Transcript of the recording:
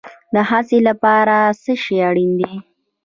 د هڅې لپاره څه شی اړین دی؟